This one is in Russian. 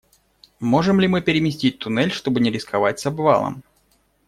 Можем ли мы переместить туннель, чтобы не рисковать с обвалом?